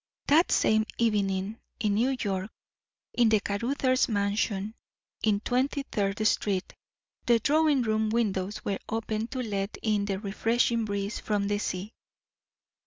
That same evening, in New York, in the Caruthers mansion in Twenty Third Street, the drawing room windows were open to let in the refreshing breeze from the sea.